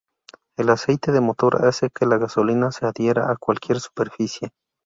El aceite de motor hace que la gasolina se adhiera a cualquier superficie.